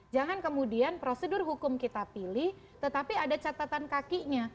jangan kemudian prosedur hukum kita pilih tetapi ada catatan kakinya